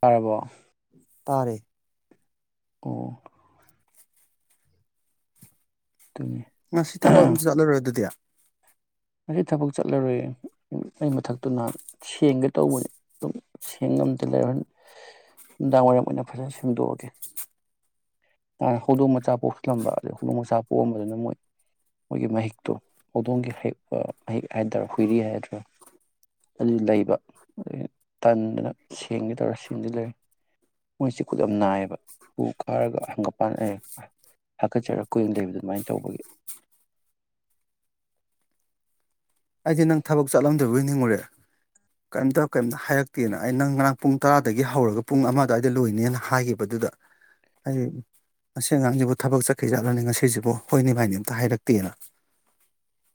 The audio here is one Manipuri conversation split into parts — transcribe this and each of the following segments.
ꯄꯔꯕꯣ ꯇꯔꯦ ꯑꯣ ꯑꯗꯨꯅꯤ ꯉꯁꯤ ꯊꯕꯛ ꯑꯃꯁꯨ ꯆꯠꯂꯨꯔꯣꯏꯦ ꯑꯗꯨꯗꯤ ꯑꯁꯤ ꯊꯕꯛ ꯆꯠꯂꯔꯣꯏ ꯑꯩ ꯃꯊꯛꯇꯨ ꯅꯍꯥꯟ ꯁꯦꯡꯒꯦ ꯇꯧꯕꯅꯤ ꯑꯗꯨꯝ ꯁꯦꯡ ꯉꯝꯗ ꯂꯩꯔ ꯅꯨꯡꯗꯥꯡ ꯋꯥꯏꯔꯝ ꯑꯣꯏꯅ ꯐꯖꯅ ꯁꯦꯝꯗꯣꯛꯑꯒꯦ ꯅꯍꯥꯟ ꯍꯧꯗꯣꯡ ꯃꯆꯥ ꯄꯣꯛꯁꯤꯜꯂꯝꯕ ꯑꯗꯩ ꯍꯧꯗꯣꯡ ꯃꯆꯥ ꯄꯣꯛꯑꯝꯕꯗꯨꯅ ꯃꯣꯏ ꯃꯣꯏꯒꯤ ꯃꯍꯤꯛꯇꯣ ꯍꯧꯗꯣꯡꯒꯤ ꯍ ꯃꯍꯤꯛ ꯍꯥꯏꯇꯥꯔꯦ ꯍꯨꯏꯔꯤ ꯍꯥꯏꯒꯗ꯭ꯔꯥ ꯑꯗꯨ ꯂꯩꯕ ꯑꯩ ꯇꯟꯗꯅ ꯁꯦꯡꯒꯦ ꯇꯧꯔ ꯁꯦꯡꯗꯤ ꯂꯩꯔꯦ ꯃꯣꯏ ꯆꯤꯀꯨꯠ ꯌꯥꯝ ꯅꯥꯏꯌꯦꯕ ꯍꯨ ꯀꯥꯔꯒ ꯍꯪꯒ ꯄꯥꯟ ꯍꯥꯀꯠꯆꯔꯒ ꯀꯨꯏꯡꯅ ꯂꯩꯕ ꯑꯗꯨꯃꯥꯏꯅ ꯇꯧꯕꯒꯤ ꯑꯩꯗꯤ ꯅꯪ ꯊꯕꯛ ꯆꯠꯂꯝꯗꯣꯏꯕꯣꯏ ꯅꯤꯡꯉꯨꯔꯦ ꯀꯔꯤꯝꯇ ꯀꯩꯝꯇ ꯍꯥꯏꯔꯛꯇꯦꯅ ꯑꯩ ꯅꯪ ꯉꯔꯥꯡ ꯄꯨꯡ ꯇꯔꯥꯗꯒꯤ ꯍꯧꯔꯒ ꯄꯨꯡ ꯑꯃ ꯑꯗꯨꯋꯥꯏꯗ ꯂꯣꯏꯅꯦꯅ ꯍꯥꯏꯈꯤꯕ ꯑꯗꯨꯗ ꯍꯥꯏꯗꯤ ꯉꯁꯤ ꯑꯉꯥꯡꯁꯤꯕꯨ ꯊꯕꯛ ꯆꯠꯈꯤ ꯆꯠꯈꯤꯖꯥꯠꯂꯅꯦ ꯉꯁꯤꯁꯤꯕꯨ ꯍꯣꯏꯅꯤ ꯃꯥꯏꯅꯤ ꯑꯝꯇ ꯍꯥꯏꯔꯛꯇꯦꯅ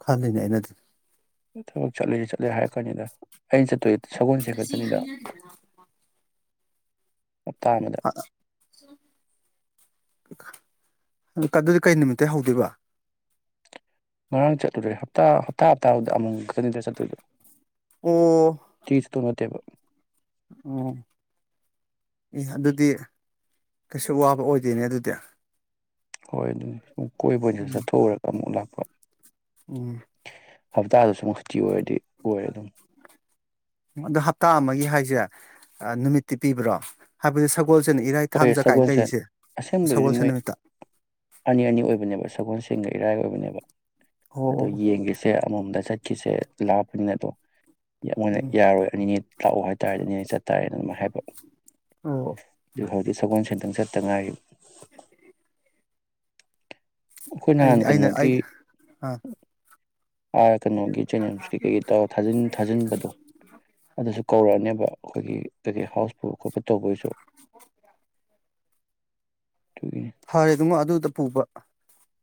ꯈꯜꯂꯤꯅꯦ ꯑꯩꯅꯗꯤ ꯊꯕꯛ ꯆꯠꯂꯦ ꯆꯠꯂꯦ ꯍꯥꯏꯔꯛꯀꯅꯤꯗ ꯑꯩꯅ ꯆꯠꯇꯣꯏꯖꯦ ꯁꯒꯣꯜꯁꯦꯟ ꯈꯛꯇꯅꯤꯗ ꯍꯞꯇꯥ ꯑꯃꯗ ꯑꯗꯨꯗꯤ ꯀꯩ ꯅꯨꯃꯤꯠꯇꯩ ꯍꯧꯗꯣꯏꯕ ꯉꯔꯥꯡ ꯆꯠꯂꯨꯔꯦ ꯍꯞꯇꯥ ꯍꯞꯇꯥ ꯍꯞꯇꯥꯗꯨꯗ ꯑꯃꯨꯛ ꯃꯨꯛ ꯈꯛꯇꯅꯤꯗ ꯆꯠꯇꯣꯏꯗꯣ ꯑꯣ ꯇꯧ ꯅꯠꯇꯕ ꯑꯣ ꯑꯦ ꯑꯗꯨꯗꯤ ꯀꯩꯁꯨ ꯋꯥꯕ ꯑꯣꯏꯗꯣꯏꯅꯦ ꯑꯗꯨꯗꯤ ꯍꯣꯏ ꯑꯗꯨꯅꯤ ꯀꯣꯏꯕ ꯑꯣꯏꯅꯁꯨ ꯆꯠꯊꯣꯛꯎꯔꯒ ꯑꯃꯨꯛ ꯂꯥꯛꯄ ꯍꯞꯇꯥꯗꯨꯁꯨ ꯑꯗꯥꯥ ꯍꯞꯇꯥ ꯑꯃꯒꯤ ꯍꯥꯏꯁꯦ ꯑꯥ ꯅꯨꯃꯤꯠꯇꯤ ꯄꯤꯕ꯭ꯔꯣ ꯍꯥꯏꯕꯗꯤ ꯁꯞ ꯍꯣꯏ ꯁꯒꯣꯜꯁꯦꯟ ꯑꯁꯦꯡꯕꯗꯤ ꯁꯒꯣꯜꯁꯦꯟ ꯃꯣꯏ ꯅꯨꯃꯤꯠꯇ ꯑꯅꯤ ꯑꯅꯤ ꯑꯣꯏꯕꯅꯦꯕ ꯁꯒꯣꯜꯁꯦꯟ ꯁꯦꯟꯒ ꯏꯔꯥꯏ ꯑꯣꯏꯕꯅꯦꯕ ꯑꯣ ꯑꯗꯣ ꯑꯣ ꯌꯦꯡꯈꯤꯁꯦ ꯑꯃꯃꯝꯗ ꯆꯠꯈꯤꯁꯦ ꯂꯥꯞꯄꯅꯤꯅ ꯑꯗꯣ ꯃꯣꯏꯅ ꯎꯝ ꯌꯥꯔꯣꯏ ꯑꯅꯤꯅꯤꯠ ꯂꯥꯛꯎ ꯍꯥꯏꯇꯥꯔꯗꯤꯅꯦ ꯆꯠꯇꯥꯥꯔꯦꯅ ꯑꯗꯨꯃꯥꯏ ꯍꯥꯏꯕ ꯑꯣ ꯑꯗꯨ ꯍꯧꯗꯤ ꯁꯒꯣꯜꯁꯦꯟꯇ꯭ꯪ ꯆꯠꯇ ꯉꯥꯏꯔꯤ ꯑꯩꯈꯣꯏ ꯑꯩ ꯅꯍꯥꯟ ꯑꯩꯅ ꯀꯩꯅꯣꯒꯤ ꯑꯩ ꯑ ꯑ ꯥ ꯀꯩꯅꯣꯒꯤ ꯖꯦꯅꯤꯝꯁ ꯀꯩ ꯀꯩꯀꯩ ꯇꯧ ꯊꯥꯖꯤꯟ ꯊꯥꯖꯤꯟꯕꯗꯣ ꯑꯗꯨꯁꯨ ꯀꯧꯔꯛꯑꯅꯦꯕ ꯑꯩꯈꯣꯏꯒꯤ ꯇꯒꯤ ꯍꯥꯎꯁꯄꯨ ꯈꯣꯄ ꯇꯧꯕꯒꯤꯁꯨ ꯑꯗꯨꯒꯤ ꯐꯔꯦ ꯏꯕꯨꯉꯣ ꯑꯗꯨꯗ ꯄꯨꯕ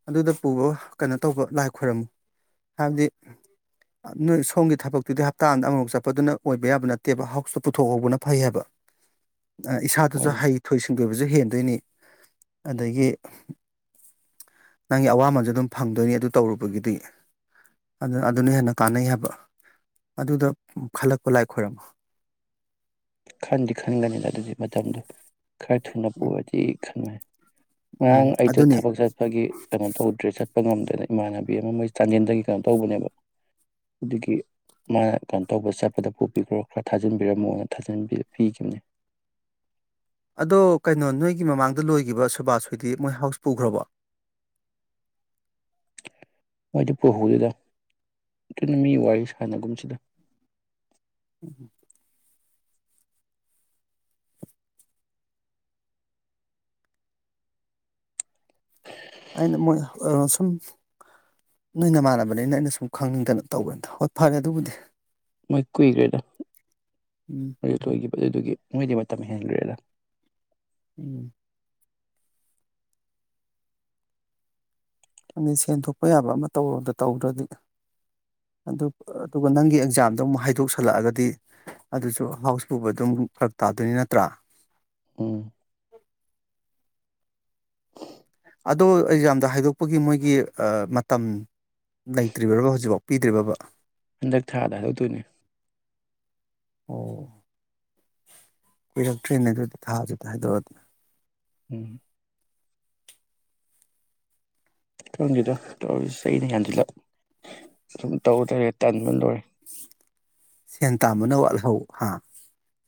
ꯑꯗꯨꯗ ꯄꯨꯕ ꯀꯩꯅꯣ ꯇꯧꯕ ꯂꯥꯏ ꯈꯣꯏꯔꯝꯃꯨ ꯍꯥꯏꯕꯗꯤ ꯅꯣꯏ ꯁꯣꯝꯒꯤ ꯊꯕꯛꯇꯨꯗꯤ ꯍꯞꯇꯥꯗ ꯑꯃꯃꯨꯛ ꯆꯠꯄꯗꯨꯅ ꯑꯣꯏꯕ ꯌꯥꯕ ꯅꯠꯇꯦꯕ ꯍꯥꯎꯁꯇꯣ ꯄꯨꯊꯣꯛꯍꯧꯕꯅ ꯐꯩ ꯍꯥꯏꯕ ꯏꯁꯥꯗꯨꯁꯨ ꯍꯣꯏ ꯍꯩꯊꯣꯏ ꯁꯤꯡ ꯀꯣꯏꯕꯁꯨ ꯍꯦꯟꯗꯣꯏꯅꯤ ꯑꯗꯒꯤ ꯅꯪꯒꯤ ꯑꯋꯥꯃꯟꯖꯨ ꯑꯗꯨꯝ ꯐꯪꯗꯣꯏꯅꯤ ꯑꯗꯨ ꯇꯧꯔꯨꯕꯒꯤꯗꯤ ꯑꯗꯨ ꯑꯗꯨꯅ ꯍꯦꯟꯅ ꯀꯥꯟꯅꯩ ꯍꯥꯏꯕ ꯑꯗꯨꯗ ꯈꯜꯂꯛꯄ ꯂꯥꯏ ꯈꯣꯏꯔꯝꯃꯣ ꯈꯟꯗꯤ ꯈꯟꯒꯅꯤꯗ ꯑꯗꯨꯗꯤ ꯃꯇꯝꯗꯣ ꯈꯔ ꯊꯨꯅ ꯎꯝ ꯄꯨꯔꯗꯤ ꯈꯟꯕ ꯎꯝ ꯉꯔꯥꯡ ꯑꯩꯗꯣ ꯑꯗꯨꯅꯤ ꯊꯕꯛ ꯆꯠꯄꯒꯤ ꯀꯩꯅꯣ ꯇꯧꯗ꯭ꯔꯦ ꯆꯠ ꯆꯠꯄ ꯉꯝꯗꯅ ꯏꯃꯥꯟꯅꯕꯤ ꯑꯃꯥꯃꯣꯏ ꯆꯥꯟꯖꯦꯜꯗꯒꯤ ꯀꯩꯅꯣ ꯇꯧꯕꯅꯦꯕ ꯑꯗꯨꯒꯤ ꯃꯥꯅ ꯀꯩꯅꯣ ꯇꯧꯕ ꯆꯠꯄꯗ ꯄꯨꯕꯤꯈ꯭ꯔꯣ ꯈꯔ ꯊꯥꯖꯤꯟꯕꯤꯔꯝꯃꯣꯅ ꯊꯥꯖꯟ ꯄꯤꯈꯤꯕꯅꯤ ꯑꯗꯣ ꯀꯩꯅꯣ ꯅꯣꯏꯒꯤ ꯃꯃꯥꯡꯗ ꯂꯣꯏꯈꯤꯕ ꯁꯨꯕꯥꯁ ꯍꯣꯏꯗꯤ ꯃꯣꯏ ꯍꯥꯎꯁ ꯄꯨꯈ꯭ꯔꯕꯣ ꯃꯣꯏꯗꯤ ꯄꯨꯍꯧꯗꯦꯗ ꯑꯗꯨꯅ ꯃꯤ ꯋꯥꯔꯤ ꯁꯥꯟꯅꯒꯨꯝꯁꯤꯗ ꯎꯝ ꯑꯩꯅ ꯃꯣꯏ ꯁꯨꯝ ꯅꯣꯏ ꯅꯃꯥꯟꯅꯕꯅꯤꯅ ꯑꯩꯅ ꯁꯨꯝ ꯈꯪꯅꯤꯡꯗꯅ ꯇꯧꯕꯅꯤꯗ ꯍꯣꯏ ꯐꯔꯦ ꯑꯗꯨꯕꯨꯗꯤ ꯃꯣꯏ ꯀꯨꯏꯈ꯭ꯔꯦꯗ ꯎꯝ ꯑꯣꯏꯈꯤꯕ ꯑꯗꯨꯗꯨꯒꯤ ꯃꯣꯏꯗꯤ ꯃꯇꯝ ꯍꯦꯟꯈ꯭ꯔꯦꯗ ꯎꯝ ꯁꯦꯟ ꯊꯣꯛꯄ ꯌꯥꯕ ꯑꯃꯇ ꯇꯧꯔꯣꯗ ꯇꯧꯗ꯭ꯔꯗꯤ ꯑꯗꯨꯒ ꯅꯪꯒꯤ ꯑꯦꯛꯖꯥꯝꯗꯣ ꯑꯃꯨꯛ ꯍꯥꯏꯗꯣꯛꯁꯜꯂꯛꯑꯒꯗꯤ ꯑꯗꯨꯁꯨ ꯍꯥꯎꯁ ꯄꯨꯕ ꯑꯗꯨꯝ ꯐꯔꯛ ꯇꯥꯗꯣꯏꯅꯤ ꯅꯠꯇ꯭ꯔꯥ ꯎꯝ [inaudible] ꯑꯗꯣ ꯑꯦꯛꯖꯥꯝꯗ ꯍꯥꯏꯗꯣꯛꯄꯒꯤ ꯃꯣꯏꯒꯤ ꯃꯇꯝ ꯂꯩꯇ꯭ꯔꯤꯕ꯭ꯔꯣ ꯍꯧꯖꯤꯛꯐꯥꯎ ꯄꯤꯗ꯭ꯔꯤꯕ꯭ꯔꯣ ꯍꯟꯗꯛ ꯊꯥꯗ ꯍꯥꯏꯗꯣꯛꯇꯣꯏꯅꯦ ꯑꯣ ꯀꯨꯏꯔꯛꯇꯔꯦꯅꯦ ꯑꯗꯨꯗꯤ ꯊꯥꯁꯨ ꯍꯥꯏꯗꯣꯛ ꯑꯗꯤ ꯎꯝ ꯀꯪꯗꯦꯗ ꯇꯧꯔꯤꯁꯤ ꯆꯍꯤꯅ ꯌꯥꯝꯖꯤꯜꯂꯛ ꯑꯗꯨꯝ ꯇꯧꯗꯔꯦ ꯇꯟꯕ ꯂꯣꯏꯔꯦ ꯁꯦꯟ ꯇꯥꯟꯕꯅ ꯋꯥꯠꯍꯧ ꯍꯥ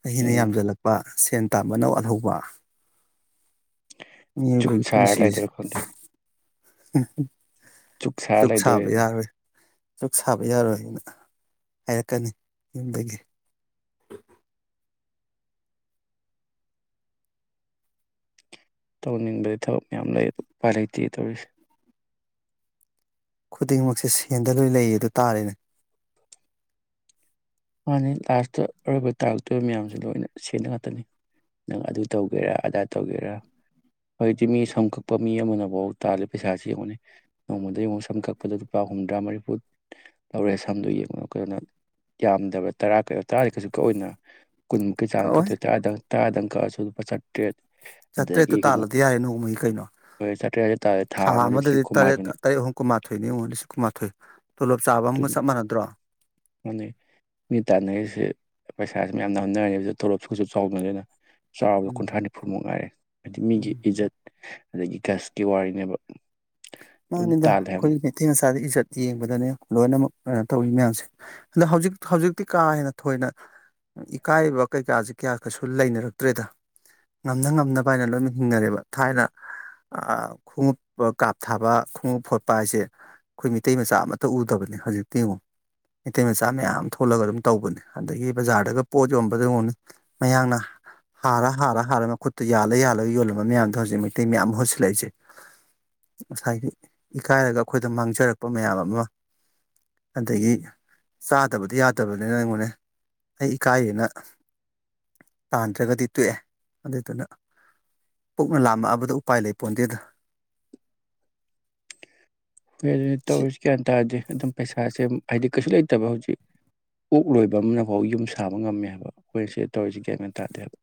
ꯆꯍꯤꯅ ꯎꯝ ꯌꯥꯝꯖꯜꯂꯛꯄ ꯁꯦꯟ ꯇꯥꯟꯕꯅ ꯋꯥꯠꯍꯧꯕ ꯆꯨꯛ ꯃꯤꯑꯣꯏꯕꯩ ꯁꯥꯔ ꯄꯨꯟꯁꯤꯁꯦ ꯂꯩꯗꯣꯏꯔꯥ ꯈꯪꯗꯦ ꯎꯝ ꯆꯨꯛ ꯁꯥꯔ ꯂꯩꯗꯣꯏ ꯆꯨꯛ ꯁꯥꯕ ꯌꯥꯔꯣꯏꯅ ꯍꯥꯏꯔꯛꯀꯅꯤ ꯌꯨꯝꯗꯒꯤ ꯇꯧꯅꯤꯡꯕꯗꯤ ꯊꯕꯛ ꯃꯌꯥꯝ ꯂꯩ ꯑꯗꯨ ꯎꯄꯥꯏ ꯂꯩꯇꯦ ꯇꯧꯔꯤꯁꯦ ꯈꯨꯗꯤꯡꯃꯛꯁꯦ ꯁꯦꯟꯗ ꯂꯣꯏ ꯂꯩꯌꯦꯗꯣ ꯇꯥꯔꯦꯅꯦ ꯃꯥꯅꯤ ꯂꯥꯁꯇ ꯑꯔꯣꯏꯕ ꯇꯥꯔꯛꯇꯣꯔꯤꯕ ꯃꯌꯥꯝꯁꯦ ꯂꯣꯏꯅ ꯁꯦꯟꯗ ꯉꯥꯛꯇꯅꯤ ꯅꯪ ꯑꯗꯨ ꯇꯧꯒꯦꯔꯥ ꯑꯗꯥ ꯇꯧꯒꯦꯔꯥ ꯍꯧꯖꯤꯛꯇꯤ ꯃꯤ ꯁꯝ ꯀꯛꯄ ꯃꯤ ꯑꯃꯅꯐꯥꯎ ꯇꯥꯜꯂꯤ ꯄꯩꯁꯥꯁꯤ ꯌꯦꯡꯉꯨꯅꯤ ꯅꯣꯡꯃꯗ ꯌꯦꯡꯉꯨꯛ ꯁꯝ ꯀꯛꯄꯗ ꯂꯨꯄꯥ ꯍꯨꯝꯗ꯭ꯔꯥ ꯃꯔꯤꯐꯨ ꯂꯧꯔꯦ ꯁꯝꯗꯣ ꯌꯦꯡꯉꯨꯅꯦ ꯀꯅ ꯌꯥꯝꯗꯕ ꯇꯔꯥ ꯀ ꯇꯔꯥꯗꯤ ꯀꯩꯁꯨ ꯀꯛ ꯑꯣꯏꯅ ꯀꯨꯟꯃꯨꯛꯀꯤ ꯆꯥꯡ ꯀꯛ ꯀꯛꯑꯣꯏ ꯇꯔꯥꯗꯪ ꯇꯔꯥꯗꯪ ꯀꯛꯑꯁꯨ ꯂꯨꯄꯥ ꯆꯠꯇ꯭ꯔꯦ ꯆꯥꯇ꯭ꯔꯦꯠꯇꯨ ꯇꯥꯜꯂꯗꯤ ꯌꯥꯔꯦ ꯅꯣꯡꯃꯒꯤ ꯀꯩꯅꯣ ꯍꯣꯏ ꯆꯥꯇ꯭ꯔꯦꯠ ꯍꯥꯏꯖ ꯇꯥꯔꯦ ꯊꯥ ꯑꯃꯗ ꯑꯃꯗꯗꯤ ꯂꯤꯁꯤꯡ ꯇꯔꯦꯠ ꯀꯨꯟꯃꯥꯊꯣꯏꯅꯤ ꯇꯔꯦꯠ ꯑꯍꯨꯝ ꯀꯨꯟꯃꯥꯊꯣꯏꯅꯤ ꯌꯦꯡꯉꯨ ꯂꯤꯁꯤꯡ ꯀꯨꯟꯃꯥꯊꯣꯏ ꯇꯣꯂꯣꯞ ꯆꯥꯕ ꯑꯃꯒ ꯑꯗꯨꯅꯤ ꯆꯞ ꯃꯥꯟꯅꯗ꯭ꯔꯣ ꯃꯥꯅꯦ ꯃꯤ ꯇꯥꯟꯅꯔꯤꯁꯦ ꯄꯩꯁꯥꯁꯤ ꯃꯌꯥꯝ ꯅ ꯍꯥꯞꯅꯔꯦ ꯇꯣꯂꯣꯞꯁꯤꯒꯁꯨ ꯆꯥꯎꯕꯅꯅꯤꯅ ꯆꯥꯎꯕꯗ ꯎꯝ ꯀꯨꯟꯊ꯭ꯔꯥ ꯅꯤꯐꯨꯃꯨꯛ ꯃꯉꯥꯏꯔꯦ ꯍꯥꯏꯗꯤ ꯃꯤꯒꯤ ꯎꯝ ꯏꯖꯠ ꯑꯗꯒꯤ ꯒꯁꯀꯤ ꯋꯥꯔꯤꯅꯦꯕ ꯑꯗꯨꯝ ꯃꯥꯅꯤꯗꯥ ꯇꯥꯜꯂꯦ ꯍꯥꯏꯕꯅꯤ ꯑꯈꯣꯏ ꯀꯩꯊꯦꯜ ꯏꯁꯗ ꯏꯖꯠ ꯌꯦꯡꯕꯗꯅꯦ ꯂꯣꯏꯅꯃꯛ ꯀꯩꯅꯣ ꯇꯧꯋꯤ ꯃꯌꯥꯝꯁꯦ ꯑꯗꯣ ꯍꯧꯖꯤꯛ ꯍꯧꯖꯤꯛꯇꯤ ꯀꯥ ꯍꯦꯟꯅ ꯊꯣꯏꯅ ꯏꯀꯥꯏꯕ ꯀꯩꯀꯥꯁꯦ ꯀꯌꯥ ꯀꯩꯁꯨ ꯂꯩꯅꯔꯛꯇ꯭ꯔꯦꯗ ꯉꯝꯅ ꯉꯝꯅꯕ ꯍꯥꯏꯅ ꯂꯣꯏꯅꯃꯛ ꯍꯤꯡꯅꯔꯦꯕ ꯊꯥꯏꯅ ꯈꯣꯡꯎꯞꯄ ꯀꯥꯞ ꯊꯥꯕ ꯈꯣꯡꯎꯞ ꯐꯣꯠꯄ ꯍꯥꯏꯁꯦ ꯑꯩꯈꯣꯏ ꯃꯤꯇꯩ ꯃꯆꯥ ꯑꯃꯠꯇ ꯎꯗꯕꯅꯦ ꯍꯧꯖꯤꯛꯇꯤ ꯌꯦꯡꯉꯣ ꯃꯤꯇꯩ ꯃꯆꯥ ꯃꯌꯥꯝ ꯊꯣꯛꯂꯒ ꯑꯗꯨꯝ ꯇꯧꯕꯅꯦ ꯑꯗꯒꯤ ꯕꯖꯥꯔꯗꯒ ꯄꯣꯠ ꯌꯣꯟꯕꯗ ꯌꯦꯡꯉꯣ ꯃꯌꯥꯡꯅ ꯍꯥꯔ ꯍꯥꯔ ꯍꯥꯔ ꯃꯈꯨꯠꯇ ꯌꯥꯜꯂ ꯌꯥꯜꯂꯒ ꯌꯣꯜꯂꯝꯕ ꯃꯌꯥꯝꯗꯣ ꯍꯧꯖꯤꯛ ꯃꯩꯇꯩ ꯃꯌꯥꯝ ꯃꯍꯨꯠ ꯁꯤꯜꯂꯛꯏꯁꯦ ꯉꯁꯥꯏꯒꯤ ꯏꯀꯥꯏꯔꯒ ꯑꯩꯈꯣꯏꯗ ꯃꯥꯡꯖꯔꯛꯄ ꯃꯌꯥꯝ ꯑꯃ ꯑꯗꯒꯤ ꯆꯥꯗꯕꯗꯤ ꯌꯥꯗꯕꯅꯤꯅ ꯑꯩꯉꯣꯟꯅꯦ ꯑꯩ ꯏꯀꯥꯏꯌꯦꯅ ꯇꯥꯟꯗ꯭ꯔꯒꯗꯤ ꯇꯣꯛꯑꯦ ꯑꯗꯨꯏꯗꯨꯅ ꯄꯨꯛꯅ ꯂꯥꯝꯃꯛꯑꯕꯗ ꯎꯄꯥꯏ ꯂꯩ ꯄꯣꯟꯗꯦꯗ ꯍꯣꯏ ꯑꯗꯨꯗꯤ ꯁꯤ ꯇꯧꯔꯤꯁꯤ ꯒ꯭ꯌꯥꯟ ꯇꯥꯗꯦ ꯑꯗꯨꯝ ꯄꯩꯁꯥꯁꯦ ꯍꯥꯏꯗꯤ ꯀꯩꯁꯨ ꯂꯩꯇꯕ ꯍꯧꯖꯤꯛ ꯑꯣꯛ ꯂꯣꯏꯕ ꯑꯃꯅꯐꯥꯎ ꯌꯨꯝ ꯁꯥꯕ ꯉꯝꯃꯦ ꯍꯥꯏꯕ ꯑꯩꯈꯣꯏꯅ ꯁꯤꯗ ꯇꯧꯔꯤꯁꯤ ꯒ꯭ꯌꯥꯟ ꯇꯥꯗꯦ ꯍꯥꯏꯕ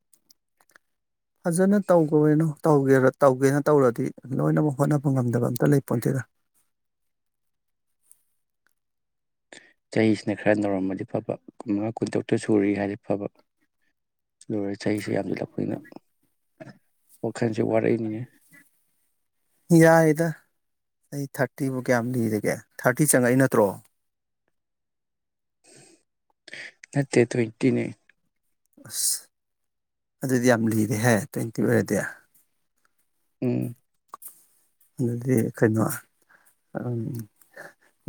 ꯐꯖꯅ ꯇꯧꯈꯣꯏꯅꯣ ꯇꯧꯒꯦ ꯇꯧꯒꯦꯅ ꯇꯧꯔꯗꯤ ꯂꯣꯏꯅꯃꯛ ꯍꯣꯠꯅꯕ ꯉꯝꯗꯕ ꯑꯝꯇ ꯂꯩ ꯄꯣꯟꯊꯦꯗ ꯆꯍꯤꯁꯤꯅ ꯈꯔ ꯅꯧꯔꯝꯃꯗꯤ ꯐꯕ ꯀꯨꯟꯃꯉꯥ ꯀꯨꯟꯇꯔꯨꯛꯇ ꯁꯨꯔꯤ ꯍꯥꯏꯕ ꯑꯣꯏꯗꯤ ꯐꯕ ꯂꯣꯏꯔꯦ ꯆꯍꯤꯁꯤ ꯌꯥꯝꯁꯤꯜꯂꯛꯄꯅ ꯋꯥꯈꯥꯏ ꯆ ꯋꯥꯔꯅꯤꯅꯦ ꯌꯥꯏꯌꯦꯗ ꯑꯩ ꯊꯥꯔꯇꯤꯕꯨ ꯀꯌꯥꯝ ꯂꯤꯔꯤꯒꯦ ꯊꯥꯔꯇꯤ ꯆꯪꯉꯛꯏ ꯅꯠꯇ꯭ꯔꯣ ꯅꯠꯇꯦ ꯇ꯭ꯋꯦꯟꯇꯤꯅꯦ ꯑꯁ ꯑꯗꯨꯗꯤ ꯌꯥꯝ ꯂꯤꯔꯦꯍꯦ ꯇ꯭ꯋꯦꯟꯇꯤ ꯑꯣꯏꯔꯗꯤ ꯎꯝ ꯑꯗꯨꯗꯤ ꯀꯩꯅꯣ ꯎꯝ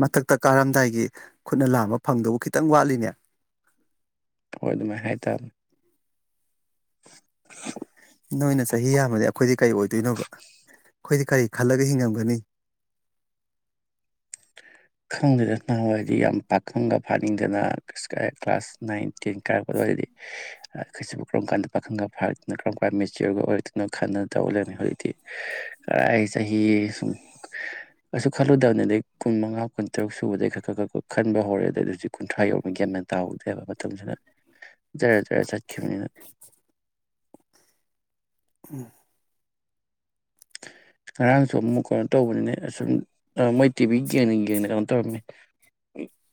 ꯃꯊꯛꯇ ꯀꯥꯔꯝꯗꯥꯏꯒꯤ ꯈꯨꯠꯅ ꯂꯥꯝꯕ ꯐꯪꯗꯕꯨ ꯈꯤꯇꯪ ꯋꯥꯠꯂꯤꯅꯦ ꯍꯣꯏ ꯑꯗꯨꯃꯥꯏꯅ ꯍꯥꯏꯇꯥꯕꯅꯤ ꯅꯣꯏꯅ ꯆꯍꯤ ꯌꯥꯝꯃꯗꯤ ꯑꯩꯈꯣꯏꯗꯤ ꯀꯔꯤ ꯑꯣꯏꯗꯣꯏꯅꯣꯕ ꯑꯩꯈꯣꯏꯗꯤ ꯀꯔꯤ ꯈꯜꯂꯒ ꯍꯤꯡꯉꯝꯒꯅꯤ ꯈꯪꯗꯗꯅ ꯑꯣꯏꯔꯗꯤ ꯌꯥꯝ ꯄꯥꯈꯪꯒ ꯐꯥꯅꯤꯡꯗꯅ ꯀ꯭ꯂꯥꯁ ꯅꯥꯏꯟ ꯇꯦꯟ ꯀꯥꯔꯛꯄꯗ ꯑꯣꯏꯔꯗꯤ ꯑꯩꯈꯣꯏꯁꯤꯕꯨ ꯀꯔꯝ ꯀꯥꯟꯗ ꯄꯥꯈꯪꯒ ꯐꯥꯔꯛꯇꯅ ꯀꯔꯝ ꯀꯥꯟꯗ ꯃꯦꯆꯤꯌꯣꯔꯒ ꯑꯣꯏꯔꯛꯇꯣꯏꯅꯣ ꯈꯟꯅ ꯇꯧꯗꯅꯤ ꯍꯧꯖꯤꯛꯇꯤ ꯀꯔꯥꯏ ꯆꯍꯤ ꯁꯨꯝ ꯀꯩꯁꯨ ꯈꯜꯂꯨꯗꯕꯅꯤ ꯑꯗꯩ ꯀꯨꯟ ꯃꯉꯥ ꯀꯨꯟꯇꯔꯨꯛ ꯁꯨꯕꯗꯩ ꯈꯛ ꯈꯔ ꯈꯛ ꯈꯟꯕ ꯍꯧꯔꯑꯦ ꯑꯗ ꯍꯧꯖꯤꯛ ꯀꯨꯟꯊ꯭ꯔꯥ ꯌꯧꯅꯤ ꯒꯦꯝꯅ ꯇꯥꯍꯧꯗꯦꯕ ꯃꯇꯝꯁꯤꯗ ꯖꯔ ꯖꯔ ꯆꯠꯈꯤꯕꯅꯤꯅ ꯎꯝ ꯉꯔꯥꯡꯁꯨ ꯑꯃꯨꯛ ꯀꯩꯅꯣ ꯇꯧꯕꯅꯤꯅꯦ ꯑꯁꯨꯝ ꯃꯣꯏ ꯇꯤꯚꯤ ꯌꯦꯡ ꯌꯦꯡꯅ ꯀꯩꯅꯣ ꯇꯧꯔꯝꯃꯦ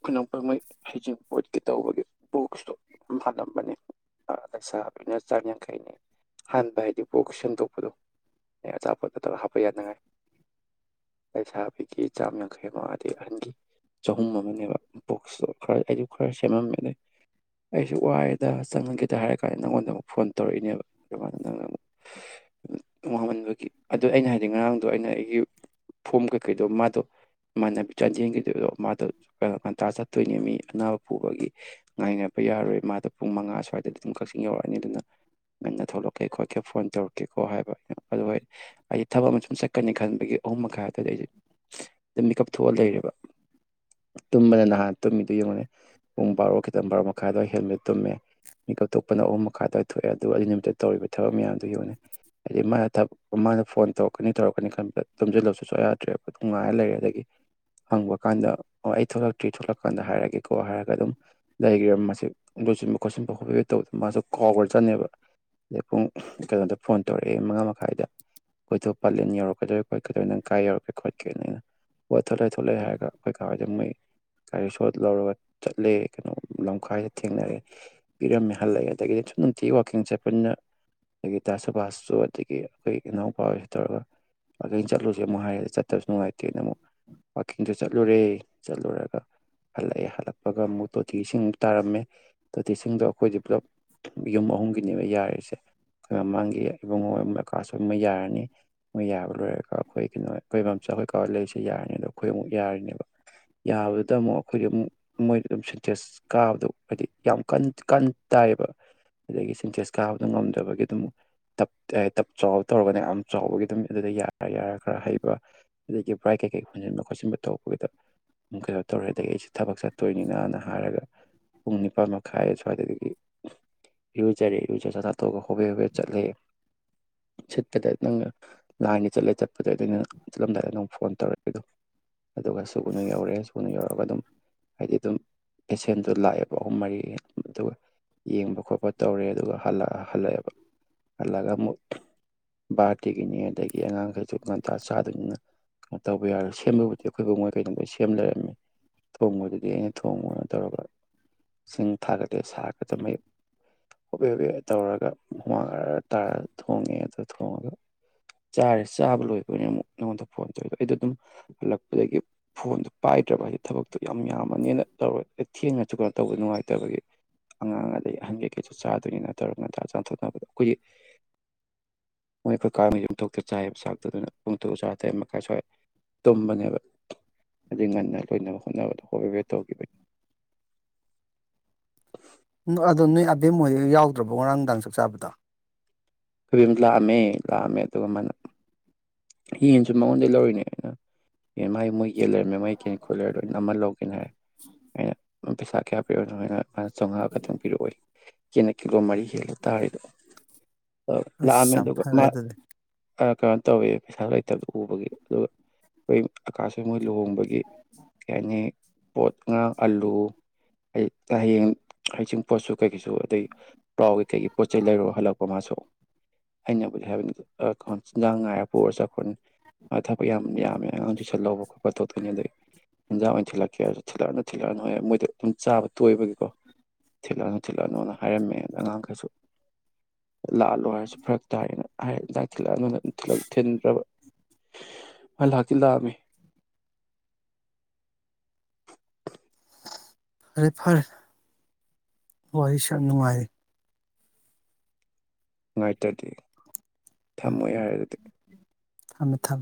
ꯈꯨꯅꯄ ꯃꯣꯏ ꯍꯩꯖꯤꯡ ꯄꯣꯠꯀꯦ ꯇꯧꯕꯒꯤ ꯕꯣꯛꯁꯇꯣ ꯑꯗꯨ ꯍꯥꯜꯂꯝꯕꯅꯤ ꯁꯥꯕꯅꯤꯅ ꯆꯥ ꯌꯥꯡꯈꯩꯅꯤ ꯍꯥꯟꯕ ꯍꯥꯏꯗꯤ ꯕꯣꯛꯁ ꯁꯦꯝꯟꯗꯣꯛꯄꯗꯣ ꯑꯩ ꯑꯆꯥꯄꯣꯠ ꯑꯗꯨꯔ ꯍꯥꯞꯄ ꯌꯥꯅꯉꯥꯏ ꯂꯩ ꯁꯥꯕꯒꯤ ꯆꯥꯝ ꯌꯥꯡꯈꯩ ꯑꯃ ꯑꯗꯩ ꯑꯍꯟꯒꯤ ꯆꯍꯨꯝ ꯑꯃꯅꯦꯕ ꯕꯨꯣꯛꯁꯇꯣ ꯈꯔ ꯑꯩꯁꯨ ꯈꯔ ꯁꯦꯝꯃꯝꯃꯦꯗ ꯑꯩꯁꯨ ꯋꯥꯏꯗ ꯆꯪꯅꯒꯦꯗ ꯍꯥꯏꯔ ꯀꯥꯟꯗ ꯅꯪꯉꯣꯟꯗ ꯑꯃꯨꯛ ꯐꯣꯟ ꯇꯧꯔꯛꯏꯅꯦꯕ ꯑꯗꯨꯃꯥꯏꯅ ꯅꯪꯅ ꯑꯃꯨꯛꯃꯟꯕ ꯑꯗꯨꯗ ꯑꯩꯅ ꯍꯥꯏꯗꯤ ꯉꯔꯥꯡꯗꯣ ꯑꯩꯅ ꯑꯩꯒꯤ ꯐꯣꯝ ꯀꯩꯀꯩꯗꯣ ꯃꯥꯗꯣ ꯏꯃꯥꯟꯅꯕꯤ ꯆꯥꯟꯖꯦꯟꯈꯤꯗꯣꯏꯗꯣ ꯃꯥꯗꯣ ꯀꯩꯅꯣ ꯉꯟꯇ꯭ꯔꯥ ꯆꯠꯇꯣꯏꯅꯦ ꯃꯤ ꯑꯅꯥꯕ ꯄꯨꯕꯒꯤ ꯉꯥꯏꯅꯕ ꯌꯥꯔꯣꯏ ꯃꯥꯗꯣ ꯄꯨꯡ ꯃꯉꯥ ꯁ꯭ꯋꯥꯏꯗꯗꯤ ꯑꯗꯨꯝ ꯀꯛꯆꯤꯡ ꯌꯧꯔꯛꯑꯅꯤ ꯑꯗꯨꯅ ꯉꯟꯅ ꯊꯣꯛꯂꯛꯀꯦ ꯈꯣꯠꯀꯦ ꯐꯣꯟ ꯇꯧꯔꯛꯀꯦꯀꯣ ꯍꯥꯏꯕ ꯑꯗꯨ ꯍꯥꯏꯗꯤ ꯊꯕꯛ ꯑꯃ ꯁꯨꯝ ꯆꯠꯀꯅꯤ ꯈꯟꯕꯒꯤ ꯑꯍꯨꯝ ꯃꯈꯥꯏ ꯑꯗꯨꯋꯥꯏꯗ ꯑꯩꯁꯦ ꯃꯤꯀꯞ ꯊꯣꯛꯑ ꯂꯩꯔꯦꯕ ꯇꯨꯝꯕꯗ ꯅꯍꯥꯟ ꯇꯨꯝꯃꯤꯗꯨꯣ ꯌꯦꯡꯉꯅꯤ ꯄꯨꯡ ꯕꯥꯔꯣ ꯈꯤꯇꯪ ꯕꯥꯔꯣ ꯃꯈꯥ ꯑꯗꯨꯋꯥꯏ ꯍꯦꯜꯃꯦꯠ ꯇꯨꯝꯃꯦ ꯃꯤꯀꯞ ꯊꯣꯛꯄꯅ ꯑꯍꯨꯝ ꯃꯈꯥ ꯑ ꯑꯗꯨꯋꯥꯏꯗ ꯊꯣꯛꯑꯦ ꯑꯗꯨꯒ ꯑꯗꯨꯒꯤ ꯅꯨꯃꯤꯠꯇ ꯇꯧꯔꯤꯕ ꯊꯕꯛ ꯃꯌꯥꯝꯗꯨ ꯌꯦꯡꯉꯦ ꯍꯥꯏꯗꯤ ꯃꯥꯅꯕꯛ ꯃꯥꯅ ꯐꯣꯟ ꯇꯧꯔꯛꯀꯅꯤ ꯇꯧꯔꯛꯀꯅꯤ ꯈꯟꯕꯗ ꯇꯨꯝꯝꯁꯤꯜꯂꯕꯁꯨ ꯌꯥꯗ꯭ꯔꯦꯕ ꯑꯗꯨ ꯉꯥꯏꯔ ꯂꯩꯔꯦ ꯑꯗꯒꯤ ꯍꯪꯕ ꯀꯥꯟꯗ ꯑꯣ ꯑꯩ ꯊꯣꯛꯂꯛꯇ꯭ꯔꯤ ꯊꯣꯛꯂꯛꯀꯥꯟꯗ ꯍꯥꯏꯔꯒꯦꯀꯣ ꯍꯥꯏꯔꯒ ꯑꯗꯨꯝ ꯂꯩꯈ꯭ꯔꯦ ꯃꯥꯁꯤ ꯂꯣꯏꯁꯤꯟꯕ ꯈꯣꯠꯆꯤꯟꯕ ꯍꯣꯠꯄꯤꯕ ꯇꯧꯕꯗ ꯃꯥꯁꯨ ꯀꯥꯎꯈ꯭ꯔ ꯆꯠꯅꯦꯕ ꯑꯗꯩ ꯄꯨꯡ ꯀꯩꯅꯣꯗ ꯐꯣꯟ ꯇꯧꯔꯛꯑꯦ ꯃꯉꯥ ꯃꯈꯥꯏꯗ ꯑꯩꯈꯣꯏꯗꯣ ꯄꯥꯂꯦꯟ ꯌꯧꯔꯛꯀꯗꯣꯏ ꯈꯣꯠꯀꯗꯣꯏ ꯅꯪ ꯀꯥꯏ ꯌꯧꯔꯛꯀꯦ ꯈꯣꯠꯀꯦ ꯅꯅ ꯋꯥꯊꯣꯛ ꯂꯩ ꯊꯣꯛꯣ ꯂꯩꯦ ꯍꯥꯏꯔꯒ ꯑꯩꯈꯣꯏ ꯀꯥꯗ ꯃꯣꯏ ꯒꯥꯔꯤ ꯁꯣ ꯂꯧꯔꯒ ꯆꯠꯂꯦ ꯀꯩꯅꯣ ꯂꯝꯈꯥꯏꯗ ꯊꯦꯡꯅꯔꯦ ꯄꯤꯔꯝꯃꯦ ꯍꯜꯂꯛꯑꯦ ꯑꯗꯒꯤꯗꯤ ꯁꯁꯨ ꯅꯨꯡꯇꯤꯒꯤ ꯋꯥꯋꯥꯛꯀꯤꯡ ꯆꯠꯄꯅ ꯑꯗꯒꯤ ꯗꯥꯁ ꯁꯕꯥꯁꯁꯨ ꯑꯗꯒꯤ ꯑꯩꯈꯣꯏ ꯏꯅꯥꯎꯄꯥꯁꯤ ꯇꯧꯔꯒ ꯑꯩꯅ ꯆꯠꯂꯨꯁꯦ ꯑꯃꯛ ꯍꯥꯏꯔꯦꯗꯤ ꯆꯠꯇꯕꯁꯨ ꯅꯨꯡꯉꯥꯏꯇꯦ ꯣꯀꯦ ꯁꯤꯡꯗꯨ ꯆꯠꯂꯨꯔꯦ ꯆꯠꯂꯨꯔꯒ ꯍꯜꯂꯛꯑꯦ ꯍꯜꯂꯛꯄꯒ ꯑꯃꯨꯛ ꯇꯣꯇꯤꯁꯤꯡ ꯇꯥꯔꯝꯃꯦ ꯇꯣꯇꯤꯁꯤꯡꯗꯣ ꯑꯩꯈꯣꯏꯗꯤ ꯄꯨꯂꯞ ꯌꯨꯝ ꯑꯍꯨꯝꯒꯤꯅꯦꯕ ꯌꯥꯔꯤꯁꯦ ꯑꯩꯈꯣꯏ ꯃꯃꯥꯡꯒꯤ ꯏꯕꯨꯡꯉꯣ ꯀꯀꯥꯁꯨ ꯃꯣꯏ ꯌꯥꯔꯅꯤ ꯃꯣꯏ ꯌꯥꯕ ꯂꯣꯏꯔꯒ ꯑꯩꯈꯣꯏ ꯀꯩꯅꯣ ꯑꯩꯈꯣꯏꯕꯝꯆꯥ ꯑꯩꯈꯣꯏ ꯀꯥꯋꯥ ꯂꯩꯔꯤꯁꯦ ꯌꯥꯔꯅꯤ ꯑꯗꯣ ꯑꯩꯈꯣꯏ ꯑꯃꯨꯛ ꯌꯥꯔꯅꯦꯕ ꯌꯥꯕꯗꯨꯗ ꯑꯃꯨꯛ ꯑꯩꯈꯣꯏꯗꯤ ꯑꯃꯨꯛ ꯃꯣꯏꯗ ꯑꯗꯨꯝ ꯁꯦꯟꯇꯦꯟꯁ ꯀꯥꯕꯗꯣ ꯍꯥꯏꯗꯤ ꯌꯥꯝ ꯀꯟ ꯇꯥꯏꯌꯦꯕ ꯑꯗꯒꯤ ꯁꯦꯟꯇꯦꯟꯁ ꯀꯥꯕꯗꯣ ꯉꯝꯗꯕꯒꯤ ꯑꯗꯨꯝꯞꯞ ꯆꯥꯎꯕ ꯇꯧꯔꯒꯅ ꯌꯥꯝ ꯆꯥꯎꯕꯒꯤ ꯑꯗꯨꯝ ꯑꯗꯨꯗ ꯌꯥꯔ ꯌꯥꯔ ꯈꯔ ꯍꯩꯕ ꯑꯗꯒꯤ ꯕ꯭ꯔꯥꯏꯠ ꯀꯩꯀꯩ ꯍꯨꯟꯖꯤꯟꯕ ꯈꯣꯠꯆꯤꯟꯕ ꯇꯧꯕꯒꯤꯗꯝ ꯀꯩꯅꯣ ꯇꯧꯔꯦ ꯑꯗꯒꯤ ꯑꯩꯁꯦ ꯊꯕꯛ ꯆꯠꯇꯣꯏꯅꯤꯅꯅ ꯍꯥꯏꯔꯒ ꯄꯨꯡ ꯅꯤꯄꯜ ꯃꯈꯥꯏ ꯁ꯭ꯋꯥꯏꯗꯒꯤ ꯏꯔꯨꯖꯔꯦ ꯏꯔꯨꯖ ꯆ ꯆ ꯇꯣꯛꯑꯒ ꯍꯣꯕꯦ ꯍꯣꯕꯦ ꯆꯠꯂꯦ ꯁꯤꯠꯄꯗ ꯅꯪꯅ ꯂꯥꯏꯟꯗ ꯆꯠꯂꯦ ꯆꯠꯄꯗ ꯑꯗꯨꯣꯏ ꯅꯪ ꯆꯠꯂꯝꯗꯥꯏꯗ ꯅꯪ ꯐꯣꯟ ꯇꯧꯔꯛꯑꯦ ꯑꯗꯣ ꯑꯗꯨꯒ ꯁꯨꯅ ꯌꯧꯔꯦ ꯁꯨꯅ ꯌꯧꯔꯒ ꯑꯗꯨꯝ ꯍꯥꯏꯗꯤ ꯑꯗꯨꯝ ꯄꯦꯁꯦꯟꯗꯨꯣ ꯂꯥꯛꯑꯦꯕ ꯑꯍꯨꯝ ꯃꯔꯤ ꯑꯗꯨꯒ ꯌꯦꯡꯕ ꯈꯣꯠꯄ ꯇꯧꯔꯦ ꯑꯗꯨꯒ ꯍꯜꯂꯛꯑꯦꯕ ꯍꯜꯂꯒ ꯑꯃꯨꯛ ꯕꯥꯔꯗꯦꯒꯤꯅꯤ ꯑꯗꯒꯤ ꯑꯉꯥꯡꯈꯩꯁꯨ ꯉꯟꯇꯥ ꯆꯥꯗꯨꯅꯤꯅ ꯀꯣ ꯇꯧꯕ ꯌꯥꯔꯣꯏ ꯁꯦꯝꯕꯕꯨꯗꯤ ꯑꯩꯈꯣꯏꯕꯨ ꯃꯣꯏꯈꯩꯅ ꯁꯦꯝ ꯂꯩꯔꯝꯃꯤ ꯊꯣꯡꯕꯗꯨꯗꯤ ꯑꯩꯅ ꯊꯣꯡꯕꯣꯅ ꯇꯧꯔꯒ ꯏꯁꯤꯡ ꯊꯥꯒꯀꯦ ꯁꯥꯔꯀꯗ ꯃꯌꯦꯛ ꯍꯣꯕꯦ ꯍꯣꯦ ꯇꯧꯔꯒ ꯍꯨꯃꯥꯡꯅ ꯇꯥꯔ ꯊꯣꯡꯉꯦ ꯑꯗ ꯊꯣꯡꯉꯒ ꯆꯥꯔꯦ ꯆꯥꯕ ꯂꯣꯏꯕꯅꯤꯅ ꯑꯃꯨꯛ ꯅꯉꯣꯟꯗ ꯐꯣꯟ ꯇꯧꯋ ꯑꯩꯗꯣ ꯑꯗꯨꯝ ꯍꯜꯂꯛꯄꯗꯒꯤ ꯐꯣꯟꯗꯣ ꯄꯥꯏꯗ꯭ꯔꯕ ꯍꯥꯏꯗꯤ ꯊꯕꯛꯇꯣ ꯌꯥꯝ ꯌꯥꯝꯃꯅꯤꯅ ꯇꯧꯔꯣꯏ ꯊꯦꯡꯉꯁꯨ ꯀꯩꯅꯣ ꯇꯧꯕꯗ ꯅꯨꯡꯉꯥꯏꯇꯕꯒꯤ ꯑꯉꯥꯡ ꯑꯗꯩ ꯑꯍꯟ ꯀꯩ ꯀꯩꯁꯨ ꯆꯥꯗꯣꯏꯅ ꯇꯧꯔꯒ ꯉꯟ ꯆꯥꯊꯣꯛꯅꯕꯗ ꯑꯩꯈꯣꯏꯒꯤ ꯃꯣꯏ ꯑꯩꯈꯣꯏ ꯀꯥꯡꯗ ꯌꯨꯝꯊꯣꯛꯇ ꯆꯥꯏꯕ ꯁꯥꯛꯇꯨꯗꯨꯅ ꯄꯣꯡꯊꯨ ꯆꯔ ꯇꯔꯦꯠ ꯃꯈꯥꯏ ꯁ꯭ꯋꯥꯏ ꯇꯨꯝꯕꯅꯦꯕ ꯍꯥꯏꯩ ꯉꯟꯅ ꯂꯣꯏꯅꯕ ꯍꯣꯠꯅꯕꯗꯣ ꯍꯣꯕ ꯋꯦꯠ ꯇꯧꯈꯤꯕꯅꯤ ꯑꯗꯣ ꯅꯣꯏ ꯑꯕꯦꯝ ꯍꯣꯏ ꯌꯥꯎꯗ꯭ꯔꯕꯣ ꯉꯔꯥꯡ ꯅꯨꯡꯗꯥꯡ ꯆꯥꯛ ꯆꯥꯕꯗꯣ ꯀꯝ ꯂꯥꯛꯑꯝꯃꯦ ꯂꯥꯛꯑꯝꯃꯦ ꯑꯗꯨꯒ ꯃꯥꯅ ꯌꯦꯟꯁꯨ ꯃꯉꯣꯟꯗ ꯂꯧꯔꯤꯅꯦ ꯑꯩꯅ ꯌꯦꯟ ꯃꯥ ꯃꯣꯏ ꯌꯦꯟ ꯂꯩꯔꯝꯃꯦꯦꯝ ꯃꯣꯏ ꯀꯦꯅꯤꯀꯨꯂꯔ ꯂꯅ ꯑꯃ ꯂꯧꯒꯦꯅ ꯍꯥꯏꯔꯦ ꯑꯩꯅ ꯄꯩꯁꯥ ꯀꯌꯥ ꯄꯤꯛꯣ ꯑꯗꯨꯃꯥꯏꯅ ꯃꯥꯅ ꯆꯥꯝꯃꯉꯥ ꯈꯛꯇꯪꯤꯛꯑꯣꯏ ꯀꯅ ꯀ ꯀꯣ ꯃꯔꯤ ꯈꯦꯜꯂ ꯇꯥꯔꯗꯣ ꯑꯁ ꯌꯥꯝ ꯂꯗꯨ ꯐꯔꯦ ꯑꯗꯨꯗꯤ ꯑ ꯀꯩꯅꯣ ꯇꯧꯋꯦ ꯄꯩꯁꯥ ꯂꯩꯇꯕ ꯎꯕꯒꯤ ꯑꯗꯨꯒ ꯑꯩꯣꯏ ꯑꯀꯥꯁꯨ ꯃꯣꯏ ꯂꯨꯍꯣꯡꯕꯒꯤ ꯀꯩ ꯍꯥꯏꯅꯤ ꯄꯣꯠ ꯉꯥꯡ ꯑꯥꯂꯨ ꯍꯌꯦꯡ ꯍꯩꯁꯤꯡ ꯄꯣꯠꯁꯨ ꯀꯩꯒꯤꯁꯨ ꯑꯗꯩ ꯄ꯭ꯔꯥꯎꯒꯤꯩ ꯀꯩꯒꯤ ꯄꯣꯠ ꯆꯩꯩ ꯂꯩꯔꯣ ꯍꯜꯂꯛꯄ ꯃꯥꯁꯨ ꯑꯩꯅꯕꯨ ꯍꯥꯏ ꯉ ꯄꯣꯔ ꯆꯥꯎꯈꯠꯅꯤ ꯊꯕꯛ ꯌꯥꯝ ꯌꯥꯝꯃꯦ ꯑꯉꯥꯡꯁꯨ ꯁꯟꯍꯧꯕ ꯈꯣꯠꯄ ꯇ ꯊꯣꯛꯇꯣꯏꯅꯤ ꯑꯗꯩ ꯌꯦꯟꯖꯥꯡ ꯑꯣꯏꯅ ꯊꯤꯜꯂꯛꯀꯦ ꯍꯥꯏꯔꯁꯨ ꯊꯤꯜꯂꯛꯑꯅꯨ ꯊꯤꯜꯂꯛꯑꯅꯨ ꯍꯥꯏ ꯃꯣꯏꯗ ꯑꯗꯨꯝ ꯆꯥꯕ ꯇꯣꯏꯕꯒꯤꯀꯣ ꯊꯤꯜꯂꯛꯑꯅꯨ ꯊꯤꯜꯛꯑꯅꯨꯅ ꯍꯥꯏꯔꯝꯃꯦꯗ ꯑꯉꯥꯡꯈꯩꯁꯨ ꯂꯥꯛꯂꯣ ꯍꯥꯏꯔꯁꯨ ꯐꯔꯛ ꯇꯥꯏꯔꯦꯅ ꯍꯥꯏ ꯏꯟꯖꯥꯡ ꯊꯤꯜꯂꯛꯑꯅꯨꯅ ꯑꯗꯨꯝ ꯊꯜꯛ ꯐꯜ ꯍꯥꯀꯤꯜ ꯐꯔꯦ ꯐꯔꯦ ꯋꯥꯔꯤꯁꯨ ꯌꯥꯝ ꯅꯨꯡꯉꯥꯏꯔ ꯅꯨꯡꯥꯏ ꯇ꯭ꯔꯗꯤ ꯊꯝꯃꯣ ꯌꯥꯔꯦ ꯑꯗꯨꯗꯤ ꯃ ꯊꯝ